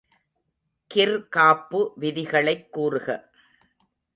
கிர்காப்பு விதிகளைக் கூறுக.